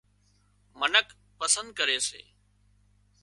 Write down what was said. منک پسند ڪري سي